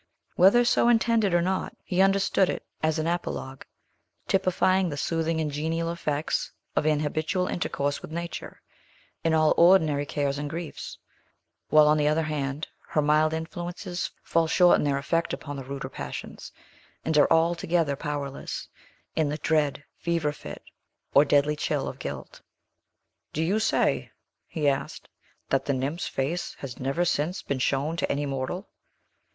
Whether so intended or not, he understood it as an apologue, typifying the soothing and genial effects of an habitual intercourse with nature in all ordinary cares and griefs; while, on the other hand, her mild influences fall short in their effect upon the ruder passions, and are altogether powerless in the dread fever fit or deadly chill of guilt. "Do you say," he asked, "that the nymph's race has never since been shown to any mortal?